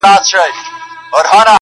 • په داسي حال کي چي -